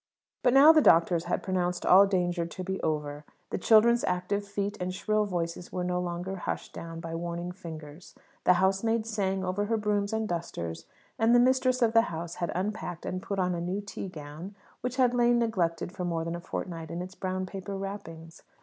But now the doctors had pronounced all danger to be over; the children's active feet and shrill voices were no longer hushed down by warning fingers; the housemaid sang over her brooms and dusters; and the mistress of the house had unpacked and put on a new "tea gown," which had lain neglected for more than a fortnight in its brown paper wrappings.